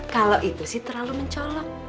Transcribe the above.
kalau itu sih terlalu mencolok